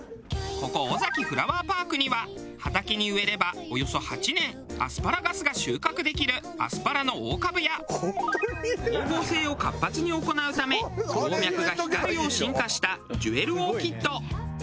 ここオザキフラワーパークには畑に植えればおよそ８年アスパラガスが収穫できるアスパラの大株や光合成を活発に行うため葉脈が光るよう進化したジュエルオーキッド。